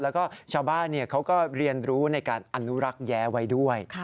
แล้วก็ชาวบ้านเขาก็เรียนรู้ในการอนุรักษ์แย้ไว้ด้วย